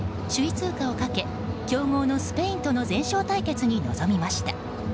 通過をかけ強豪のスペインとの全勝対決に臨みました。